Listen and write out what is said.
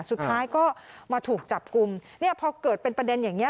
สุดท้ายก็มาถูกจับกลุ่มเนี่ยพอเกิดเป็นประเด็นอย่างนี้